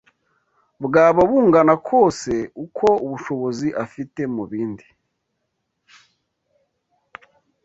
bwaba bungana kose, uko ubushobozi afite mu bindi